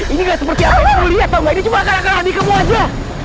ini gak seperti apa yang kamu lihat tahu gak ini cuma akar akar adik kamu aja